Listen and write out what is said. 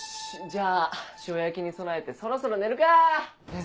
じゃあ塩焼きに備えてそろそろ寝るか！ですね。